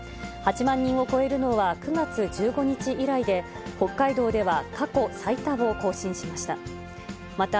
８万人を超えるのは９月１５日以来で、北海道では過去最多を更新しました。